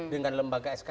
dengan lembaga sk